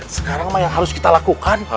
sekarang yang harus kita lakukan